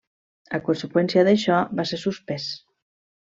A conseqüència d'això va ser suspès.